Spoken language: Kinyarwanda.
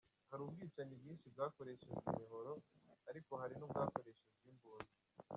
Hari ubwicanyi bwinshi bwakoreshejwe imihoro, ariko hari n’ubwakoreshejwe imbunda.